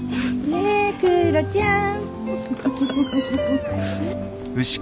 ねクロちゃん。